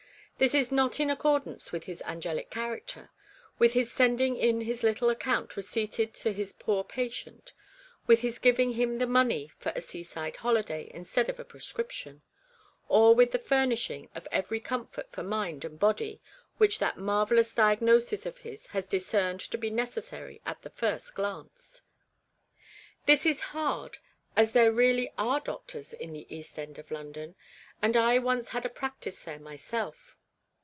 This is not in accordance with his angelic character ; with his sending in his little account receipted to his poor patient ; with his giving him the money for a seaside holiday instead of a prescription ; or with the furnishing of every comfort for mind and body which that marvellous diagnosis of his has discerned to be necessary at the first glance. This is hard, as there really are doctors in the East End of London, and I once had a practice there myself.